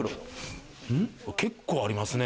結構ありますね。